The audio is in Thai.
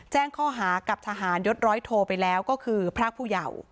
แจ้งข้อหากับทหารยศร้อยโทไปแล้วก็คือพรากผู้เยาว์